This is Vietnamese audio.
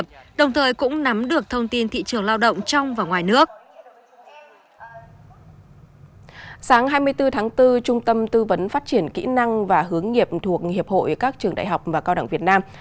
công ty tư vấn phát triển kỹ năng và hướng nghiệp thuộc hiệp hội các trường đại học và cao đẳng việt nam